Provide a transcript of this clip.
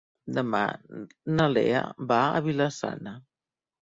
Demà na Lea va a Vila-sana.